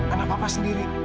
anak papa sendiri